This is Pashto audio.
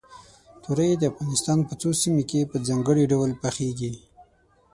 تورۍ د افغانستان په څو سیمو کې په ځانګړي ډول پخېږي.